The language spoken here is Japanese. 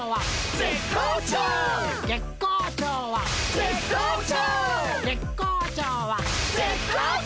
「絶好調」